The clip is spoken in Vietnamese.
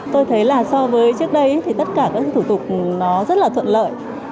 tôi thấy là so với trước đây thì tất cả các thủ tục nó rất là thuận lợi